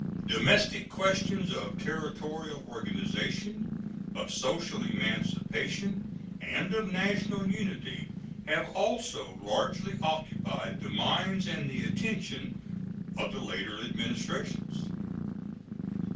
Domestic questions of territorial organization, of social emancipation, and of national unity have also largely occupied the minds and the attention of the later Administrations.